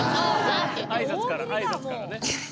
挨拶から挨拶からね。